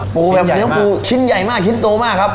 ปูแบบเนื้อปูชิ้นใหญ่มากชิ้นโตมากครับ